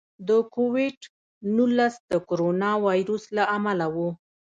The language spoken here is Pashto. د کوویډ نولس د کورونا وایرس له امله و.